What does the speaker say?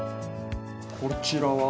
こちらは？